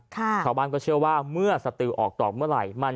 ชาวบ้านก็เชื่อว่าเมื่อสตือออกดอกเมื่อไหร่